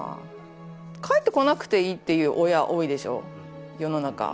帰ってこなくていいって言う親多いでしょ世の中。